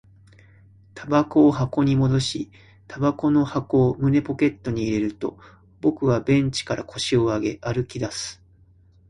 煙草を箱に戻し、煙草の箱を胸ポケットに入れると、僕はベンチから腰を上げ、歩き出す